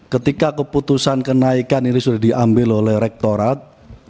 ketika keputusan kenaikan ini sudah diambil oleh rektorat